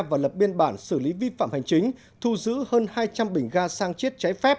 và lập biên bản xử lý vi phạm hành chính thu giữ hơn hai trăm linh bình ga sang chiết trái phép